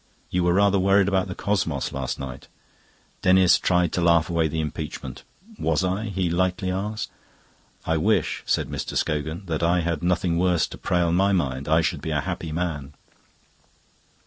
"You were rather worried about the cosmos last night." Denis tried to laugh away the impeachment. "Was I?" he lightly asked. "I wish," said Mr. Scogan, "that I had nothing worse to prey on my mind. I should be a happy man."